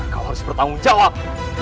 kau harus bertanggung jawab